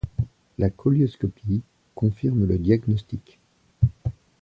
La cœlioscopie confirme le diagnostic.